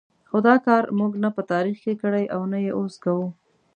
خو دا کار موږ نه په تاریخ کې کړی او نه یې اوس کوو.